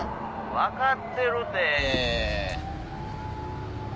分かってるて。